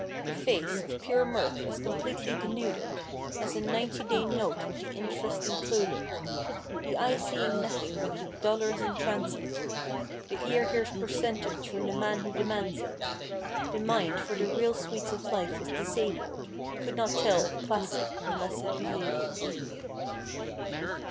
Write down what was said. The face, of pure mirth, as completely denuded As a ninety day note with the interest included. The eye seeing nothing but $$$ in transit. The ear hears %%% from the man who de¬ mands it. The mind, for the real sweets of life, is disabled; Could not tell a classic unless it be labeled.